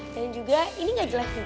dan juga ini gak jelas juga